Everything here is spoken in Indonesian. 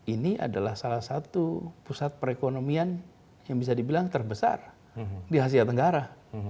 ini adalah salah satu pusat perekonomian yang bisa dibilang terbesar di asia tenggara